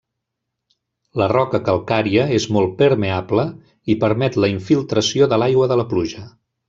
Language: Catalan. La roca calcària és molt permeable i permet la infiltració de l'aigua de la pluja.